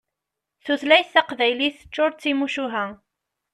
Tutlayt taqbaylit teččur d timucuha.